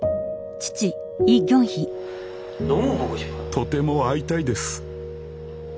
とても会いたいです。